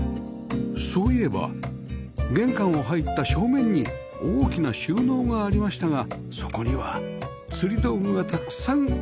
そういえば玄関を入った正面に大きな収納がありましたがそこには釣り道具がたくさん収まっていました